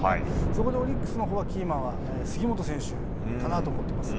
そこでオリックスのほうのキーマンは杉本選手かなと思っています。